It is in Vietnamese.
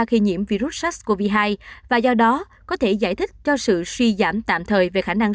khi nhiễm virus sars cov hai và do đó có thể giải thích cho sự suy giảm tạm thời về khả năng